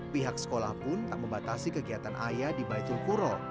pihak sekolah pun tak membatasi kegiatan ayah di baitul kuro